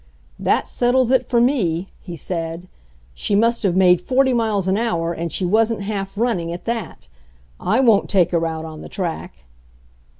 "That settles it for me," he said. "She must have made forty miles an hour, and she wasn't half running, at that. I won't take her out on the track."